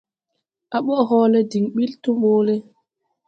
À ɓɔʼ hɔɔlɛ diŋ ɓil tomɓole.